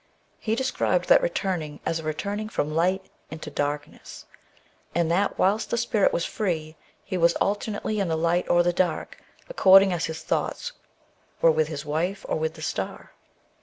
He described that returning as a returning from light into darkness, and that whilst the spirit was free, he was alternately in the light or the dark, accordingly as his thoughts were with his wife or with the star.